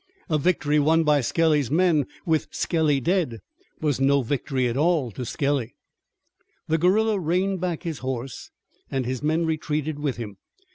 A victory won by Skelly's men with Skelly dead was no victory at all to Skelly. The guerilla reined back his horse, and his men retreated with him.